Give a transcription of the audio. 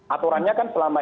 aturannya kan selama